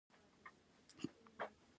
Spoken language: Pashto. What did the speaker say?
ایا دلته بیمه چلیږي؟